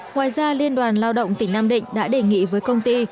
ngoài ra liên đoàn lao động tỉnh nam định đã đề nghị với công ty